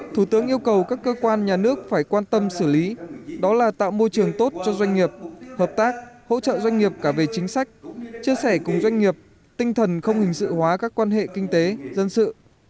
thủ tướng yêu cầu các cơ quan nhà nước phải quan tâm xử lý đó là tạo môi trường tốt cho doanh nghiệp hợp tác hỗ trợ doanh nghiệp cả về chính sách chia sẻ cùng doanh nghiệp tinh thần không hình sự hóa các quan hệ kinh tế dân sự